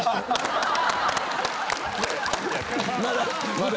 まだ？